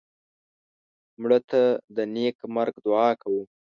مړه ته د نیک مرګ دعا کوو